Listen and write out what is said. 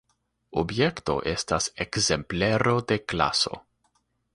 Objekto estas ekzemplero de klaso.